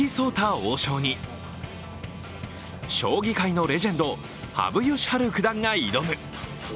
王将に将棋界のレジェンド羽生善治九段が挑む。